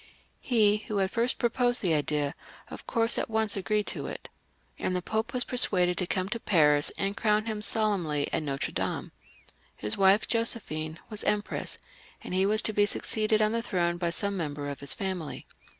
He, who had first proposed the idea, of course at once agreed to it, and the Pope was persuaded to come to Paris and crown him solemnly at N6tre Dame. His wife ".I ^^ n , DIRECTORY AND CONSULATE. 433 theiev ,^sephine was Empress, and he was to be succeeded on jjjjM . .he throne by some member of his family.